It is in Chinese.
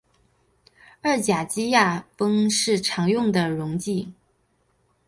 二甲基亚砜是常用的溶剂。